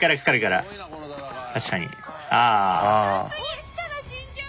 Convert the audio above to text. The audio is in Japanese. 落ちたら死んじゃう！